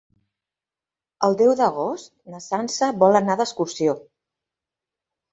El deu d'agost na Sança vol anar d'excursió.